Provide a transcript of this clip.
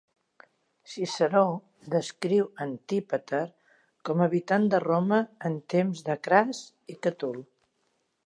Ciceró descriu Antípater com a habitant de Roma en temps de Cras i Catul.